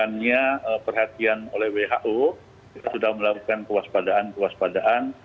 karena perhatian oleh who sudah melakukan kewaspadaan kewaspadaan